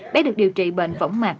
bé được điều trị bệnh võng mạc